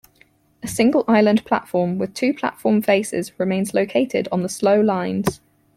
A single island platform with two platform faces remains located on the slow lines.